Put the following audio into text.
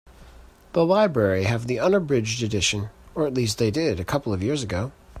The library have the unabridged edition, or at least they did a couple of years ago.